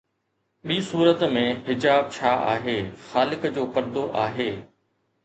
ٻي صورت ۾، حجاب ڇا آهي خالق جو پردو آهي